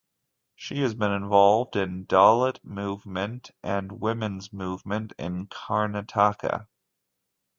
She has been involved in dalit movement and women’s movement in Karnataka.